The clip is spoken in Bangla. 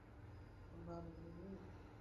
তোমার নাম মিমি?